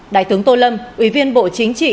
đại tướng tô lâm ủy viên bộ chính trị